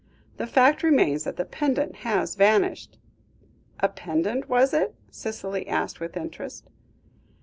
The fact remains that the pendant has vanished." "A pendant, was it?" Cicely asked with interest.